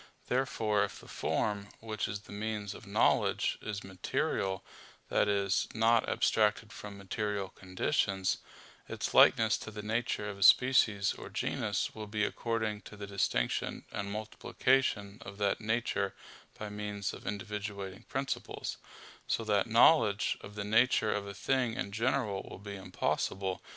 Therefore if the form, which is the means of knowledge, is material that is, not abstracted from material conditions its likeness to the nature of a species or genus will be according to the distinction and multiplication of that nature by means of individuating principles; so that knowledge of the nature of a thing in general will be impossible.